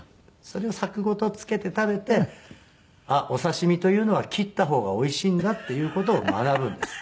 それで柵ごとつけて食べてあっお刺し身というのは切った方がおいしいんだっていう事を学ぶんです。